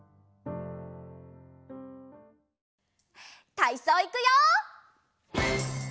たいそういくよ！